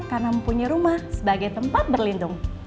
karena mempunyai rumah sebagai tempat berlindung